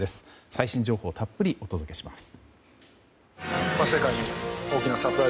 最新情報をたっぷりお届けします。